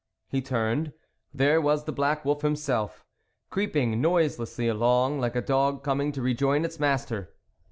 He turned ; there was the black wolf himself, creeping noiselessly along, like a dog coming to rejoin its master.